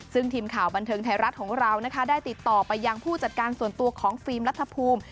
ซึ่งทีมข่าวบันเทิงไทยรัฐของเรานะคะได้ติดต่อไปยังผู้จัดการส่วนตัวของฟิล์มรัฐภูมิ